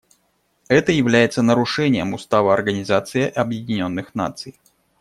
Это является нарушением Устава Организации Объединенных Наций.